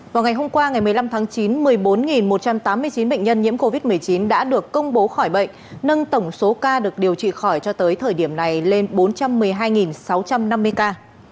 vào ngày hôm qua ngày một mươi năm tháng chín một mươi bốn một trăm tám mươi chín bệnh nhân nhiễm covid một mươi chín đã được công bố khỏi bệnh nâng tổng số ca được điều trị khỏi cho tới thời điểm này lên bốn trăm một mươi hai sáu trăm năm mươi ca